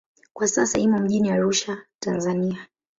Kwa sasa imo mjini Arusha, Tanzania.